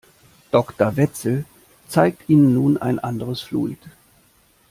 Doktor Wetzel zeigt Ihnen nun ein anderes Fluid.